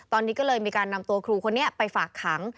ตอนนี้ก็เลยมีการนำตัวครูคนนี้ไปฝากขัง